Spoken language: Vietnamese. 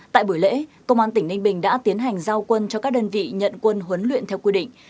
tại buổi lễ công an tỉnh ninh bình đã tiến hành giao quân cho các đơn vị nhận quân huấn luyện theo quy định